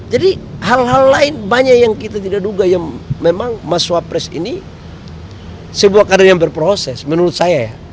jadi hal hal lain banyak yang kita tidak duga yang memang mas wapres ini sebuah kadang yang berproses menurut saya